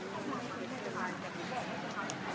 พี่ก็ให้เลยครับ